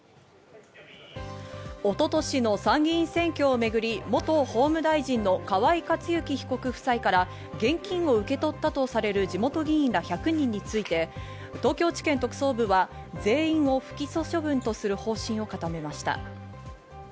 一昨年の参議院選挙をめぐり元法務大臣の河井克行被告夫妻から現金を受け取ったとされる地元議員ら１００人について、東京地検特捜部は全員を不起訴処分とする方針を固めました。